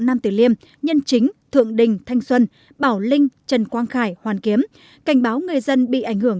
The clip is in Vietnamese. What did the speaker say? nam tử liêm nhân chính thượng đình thanh xuân bảo linh trần quang khải hoàn kiếm cảnh báo người dân bị ảnh hưởng tới sức khỏe khá nghiêm trọng